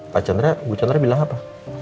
pak chandra bu chandra bilang apa